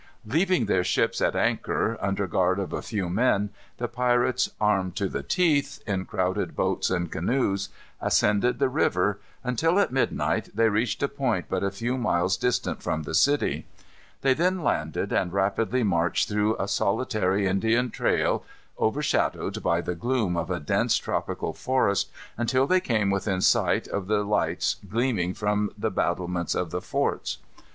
Leaving their ships at anchor, under guard of a few men, the pirates, "armed to the teeth," in crowded boats and canoes, ascended the river until, at midnight, they reached a point but a few miles distant from the city. They then landed and rapidly marched through a solitary Indian trail, overshadowed by the gloom of a dense tropical forest, until they came within sight of the lights gleaming from the battlements of the forts.